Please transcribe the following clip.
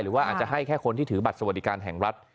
หรือว่าอาจจะให้แค่คนที่ถือบัตรสวัสดิการแห่งรัฐ